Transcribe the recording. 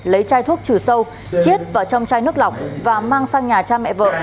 lấy chai thuốc trừ sâu chiết vào trong chai nước lọc và mang sang nhà cha mẹ vợ